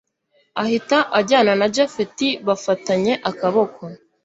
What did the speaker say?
ahita ajyana na japhet bafatanye akaboko